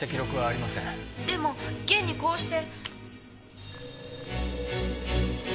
でも現にこうして。